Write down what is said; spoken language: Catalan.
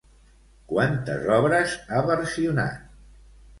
Quantes obres ha versionat?